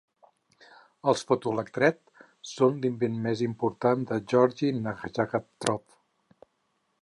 Els fotoelectret són l'invent més important de Gueorgui Nadjàkov.